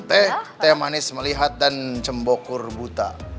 teh teh manis melihat dan cembokur buta